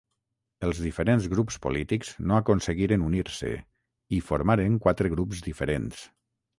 Els diferents grups polítics no aconseguiren unir-se i formaren quatre grups diferents.